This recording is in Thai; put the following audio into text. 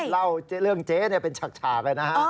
เล่าเรื่องเจ๊เป็นฉักฉาไปนะ